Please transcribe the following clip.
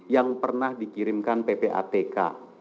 yang pernah dikirimkan ppatk